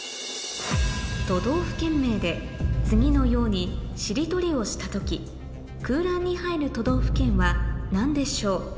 都道府県名で次のようにしりとりをした時空欄に入る都道府県は何でしょう？